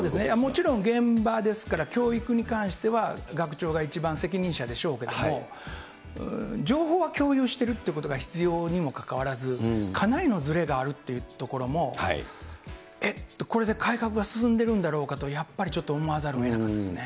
もちろん現場ですから、教育に関しては学長が一番責任者でしょうけども、情報は共有しているということが必要にもかかわらず、かなりのずれがあるっていうところも、えっ、これで改革が進んでるんだろうかと、やっぱりちょっと思わざるをえなかったですね。